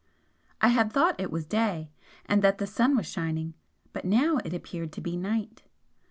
I had thought it was day, and that the sun was shining, but now it appeared to be night.